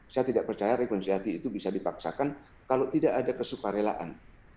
saya tidak percaya rekonsiliasi itu bisa dipaksakan kalau tidak ada kesuka relaan